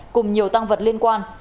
cùng nhiều tăng vật liên quan